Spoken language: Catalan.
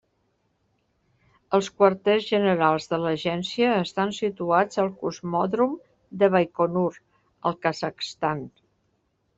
Els quarters generals de l'agència estan situats al cosmòdrom de Baikonur, al Kazakhstan.